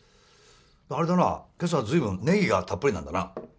あれだな今朝はずいぶんネギがたっぷりなんだな。